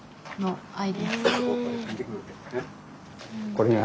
これが。